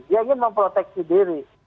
dia ingin memproteksi diri